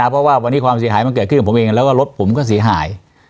เพราะว่าวันนี้ความเสียหายมันเกิดขึ้นกับผมเองแล้วก็รถผมก็เสียหาย